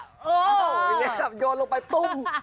โอ้วอย่างนี้ค่ะโยนลงไปตุ๊บ